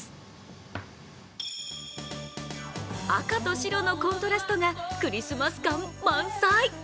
赤と白のコントラストがクリスマス感満載。